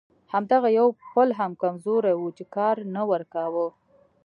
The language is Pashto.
همدغه یو پل هم کمزوری و چې کار نه ورکاوه.